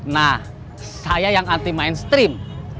nah saya yang anti mainstream